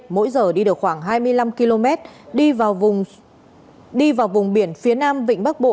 mỗi giờ đi được khoảng hai mươi năm km đi vào vùng biển phía nam vịnh bắc bộ